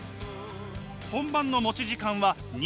本番の持ち時間は２分。